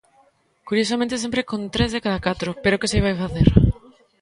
Curiosamente sempre con tres de cada catro, pero ¡que se lle vai facer!